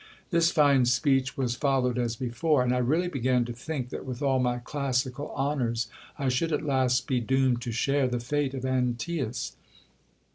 This fine speech was fol lowed as before ; and I really began to think that with all my classical honours I should at last be doomed to share the fate of Antaeus.